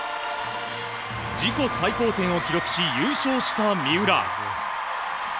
自己最高点を記録し優勝した三浦。